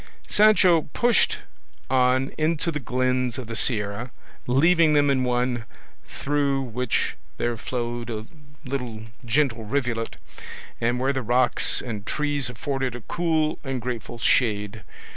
Sancho pushed on into the glens of the Sierra, leaving them in one through which there flowed a little gentle rivulet, and where the rocks and trees afforded a cool and grateful shade.